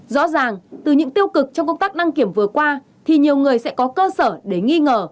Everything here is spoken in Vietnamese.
rõ ràng từ những tiêu cực trong công tác đăng kiểm vừa qua thì nhiều người sẽ có cơ sở để nghi ngờ